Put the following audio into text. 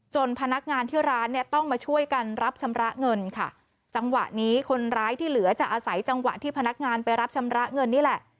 พนักงานที่ร้านเนี่ยต้องมาช่วยกันรับชำระเงินค่ะจังหวะนี้คนร้ายที่เหลือจะอาศัยจังหวะที่พนักงานไปรับชำระเงินนี่แหละ